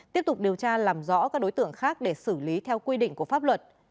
tiếp tục điều tra làm rõ các đối tượng khác để xử lý theo quy định của pháp luật